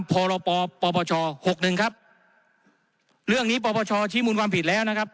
พรปปชหกหนึ่งครับเรื่องนี้ปปชชี้มูลความผิดแล้วนะครับ